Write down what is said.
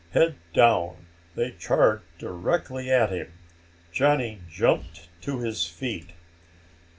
Head down, they charged directly at him. Johnny jumped to his feet.